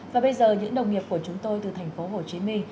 và bây giờ những đồng nghiệp của chúng tôi từ thành phố hồ chí minh